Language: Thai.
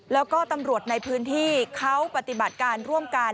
แล้วก็ตำรวจในพื้นที่เขาปฏิบัติการร่วมกัน